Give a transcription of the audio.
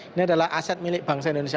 ini adalah aset milik bangsa indonesia